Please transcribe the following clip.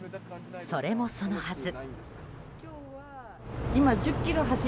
それもそのはず。